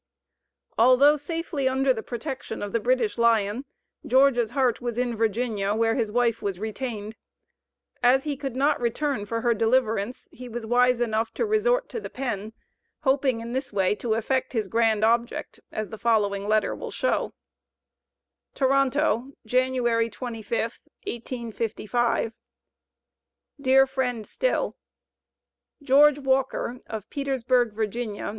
Although safely under the protection of the British Lion, George's heart was in Virginia, where his wife was retained. As he could not return for her deliverance, he was wise enough to resort to the pen, hoping in this way to effect his grand object, as the following letter will show: TORONTO, January 25th, 1855. DEAR FRIEND STILL: George Walker, of Petersburg, Va.